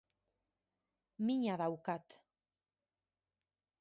Mina daukat